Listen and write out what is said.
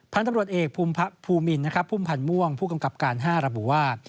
พันธุ์ตำรวจเอกภูมินภูมิพันธ์ม่วงผู้กำกับการ๕รับบูว่า